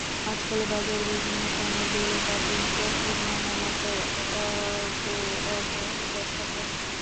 আজকাল বাজারে বিভিন্ন কানের দুলে কার্টুনসহ নানা মজার অবয়ব দেখা যায়।